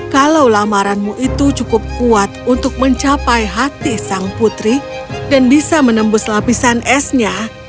kalau lamaranmu itu cukup kuat untuk mencapai hati sang putri dan bisa menembus lapisan esnya